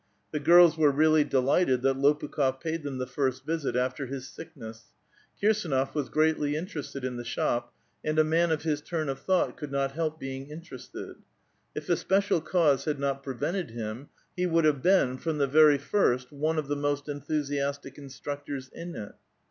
The girls were really deligiited that Lopukh6f paid them the first visit after his sickness. Kiri>dnof was greatly interested in the shop ; and a man of his turn of thought could not help being interested. If a special cause had not prevented him, he would have been from the very first one of the most enthusiastic instructors in it.